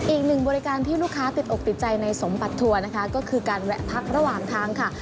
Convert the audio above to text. อีกหนึ่งบริการที่ลูกค้าติดอกติดใจในสมบัติทัวร์นะคะก็คือการแวะพักระหว่างทางค่ะ